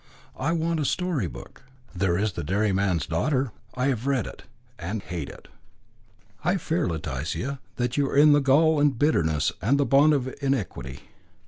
"I want a story book." "There is the Dairyman's Daughter." "I have read it, and hate it." "I fear, Leticia, that you are in the gall of bitterness and the bond of iniquity."